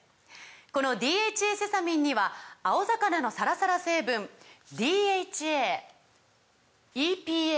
この「ＤＨＡセサミン」には青魚のサラサラ成分ＤＨＡＥＰＡ